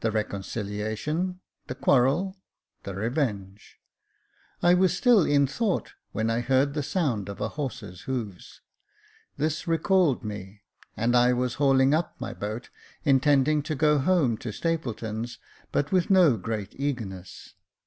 The reconciliation — the quarrel — the revenge. I was still in thought when I heard the sound of a horse's hoofs. This recalled me, and I was hauling up my boat, intending to go home to Stapleton's ; but with no great eagerness.